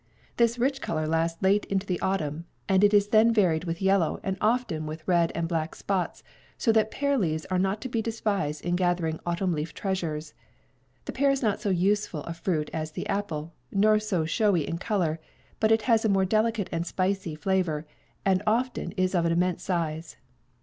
This rich color lasts late into the autumn, and it is then varied with yellow, and often with red and black, spots; so that pear leaves are not to be despised in gathering autumn leaf treasures. The pear is not so useful a fruit as the apple, nor so showy in color; but it has a more delicate and spicy flavor, and often is of an immense size."